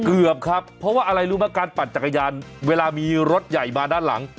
เกือบครับเพราะว่าอะไรรู้ไหมการปั่นจักรยานเวลามีรถใหญ่มาด้านหลัง